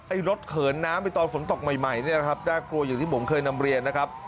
รถเขินน้ำไปตอนฝนตกใหม่เนี่ยนะครับน่ากลัวอย่างที่ผมเคยนำเรียนนะครับ